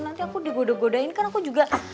nanti aku digodoh godain kan aku juga